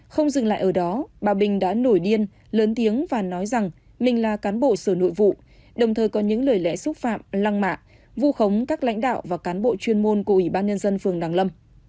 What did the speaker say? không dừng lại ở đó bà bình đã nổi điên lớn tiếng và nói rằng mình là cán bộ sở nội vụ đồng thời có những lời lẽ xúc phạm lăng mạ vu khống các lãnh đạo và cán bộ chuyên môn của ubnd phường đăng lâm